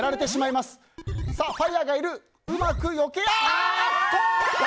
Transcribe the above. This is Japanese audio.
あっと！